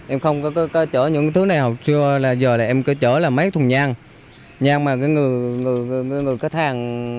em không có chở những thứ này học trưa giờ em có chở là mấy thùng nhang nhang mà người khách hàng